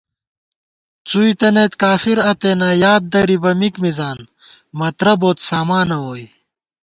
څُوئی تنَئیت کافَر اتېنہ یاددرِبہ مِک مِزان، مَترہ بوت سامانہ ووئی